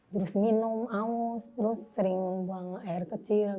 terus minum haus terus sering buang air kecil